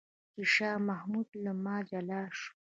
چې شاه محمود له ما جلا شو.